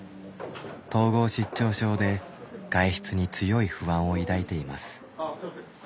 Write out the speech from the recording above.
統合失調症で外出に強い不安を抱いています。